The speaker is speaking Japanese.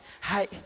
はい。